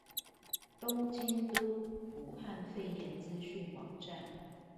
東京都武漢肺炎資訊網站